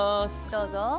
どうぞ。